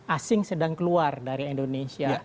asing sedang keluar dari indonesia